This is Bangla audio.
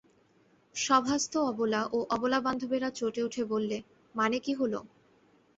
সভাস্থ অবলা ও অবলাবান্ধবেরা চটে উঠে বললে, মানে কী হল।